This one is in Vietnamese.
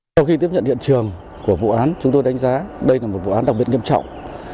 sau khi tiếp nhận hiện trường của vụ án chúng tôi đánh giá đây là một vụ án đặc biệt nghiêm trọng